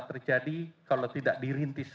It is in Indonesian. terjadi kalau tidak dirintis